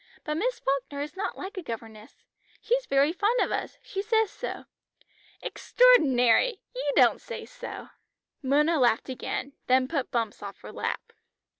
"But Miss Falkner is not like a governess. She's very fond of us, she says so!" "Extraordinary! You don't say so!" Mona laughed again, then put Bumps off her lap.